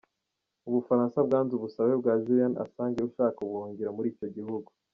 Ubufaransa bwanze ubusabe bwa Julian Assange ushaka ubuhungiro muri icyo gihugu.